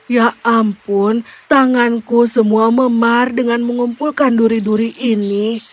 ya ampun tanganku semua memar dengan mengumpulkan duri duri ini